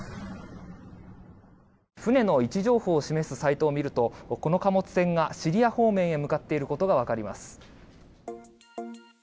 船の位置情報を示すサイトを見るとこの貨物船がシリア方面へ向かっていることが分かります。